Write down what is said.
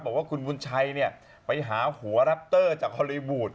บอกว่าคุณบุญชัยไปหาหัวแรปเตอร์จากฮอลลีวูด